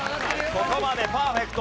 ここまでパーフェクト。